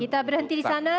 kita berhenti di sana